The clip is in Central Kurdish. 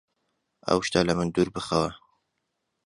ئەو شتە لە من دوور بخەوە!